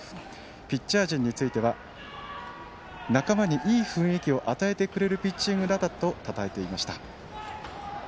ピッチャー陣については仲間にいい雰囲気を与えてくれるピッチングだったとたたえていました。